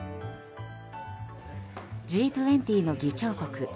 Ｇ２０の議長国